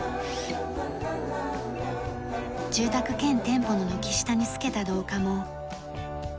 住宅兼店舗の軒下につけた廊下も。